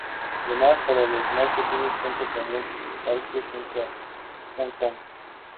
Además para los más pequeños, cuenta con un parque junto al Frontón.